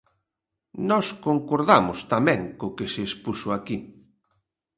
Nós concordamos tamén co que se expuxo aquí.